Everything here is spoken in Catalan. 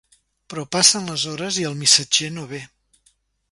Però passen les hores i el missatger no ve.